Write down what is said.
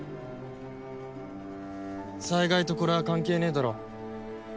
災害とこれは関係ねえだろ。